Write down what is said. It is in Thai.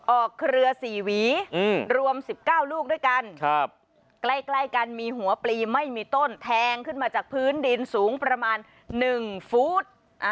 เครือ๔หวีรวม๑๙ลูกด้วยกันใกล้กันมีหัวปลีไม่มีต้นแทงขึ้นมาจากพื้นดินสูงประมาณ๑ฟู้ด